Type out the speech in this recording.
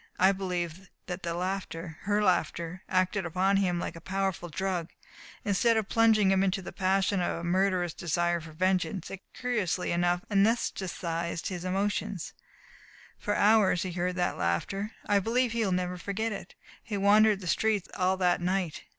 I believe that the laughter her laughter acted upon him like a powerful drug. Instead of plunging him into the passion of a murderous desire for vengeance it curiously enough anesthetized his emotions. For hours he heard that laughter. I believe he will never forget it. He wandered the streets all that night.